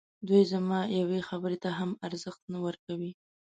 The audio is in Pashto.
دوی زما یوې خبري ته هم ارزښت نه ورکوي.